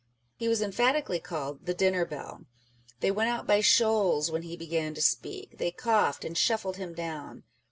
He was emphatically called the Dinner Bell. They went out by shoals when he began to speak. They coughed and shuffled him down.